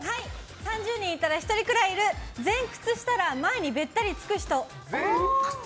３０人いたら１人くらいいる前屈したら前にべったりつく人！